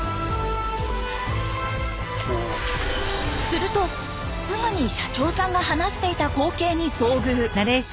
するとすぐに社長さんが話していた光景に遭遇！